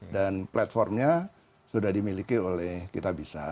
platformnya sudah dimiliki oleh kitabisa